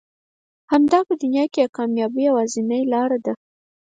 همدا په دنيا کې د کاميابي يوازنۍ لاره ده.